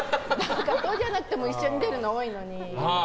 そうじゃなくても一緒に出るの多いのに。